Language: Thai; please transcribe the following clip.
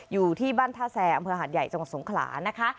อยู่ที่บ้านท่าแซอำเภอหาดใหญ่จังหวัดสงขลานะคะ